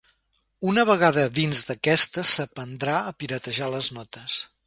Una vegada dins d'aquesta s'aprendrà a piratejar les notes.